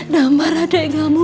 damar adek kamu